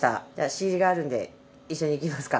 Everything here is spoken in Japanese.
仕入れがあるんで一緒に行きますか。